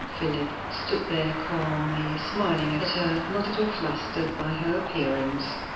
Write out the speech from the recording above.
Philip stood there, calmly smiling at her, not at all flustered by her appearance.